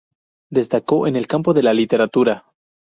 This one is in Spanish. Destacó en el campo de la literatura.